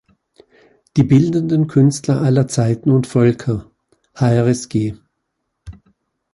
Die bildenden Künstler aller Zeiten und Völker", hrsg.